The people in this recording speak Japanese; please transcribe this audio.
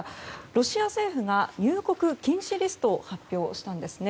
ロシア政府が入国禁止リストを発表したんですね。